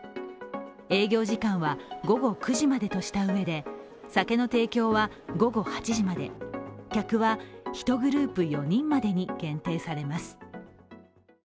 営業時間は午後９時までとしたうえで酒の提供は午後８時まで、客は１グループ４人までに限定されます。